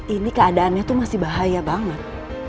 ini keadaannya tuh masih bahaya banget